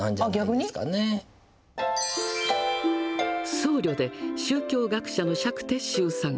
僧侶で宗教学者の釈徹宗さん。